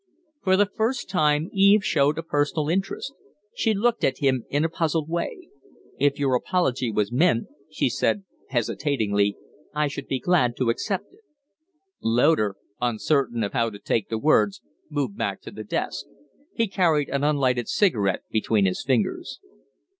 For the first time Eve showed a personal interest. She looked at him in a puzzled way. "If your apology was meant," she said, hesitatingly, "I should be glad to accept it." Loder, uncertain of how to take the words, moved back to the desk. He carried an unlighted cigarette between his fingers.